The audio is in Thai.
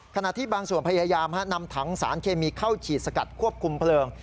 ขณะที่บางส่วนพยายามนำถังสารเคมีเข้าฉีดสกัดควบคุมเพลิง